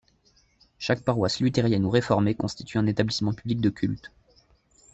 Chaque paroisse luthérienne ou réformée constitue un établissement public du culte.